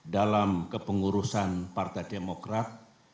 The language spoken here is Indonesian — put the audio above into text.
dalam kepengurusan partai demokrat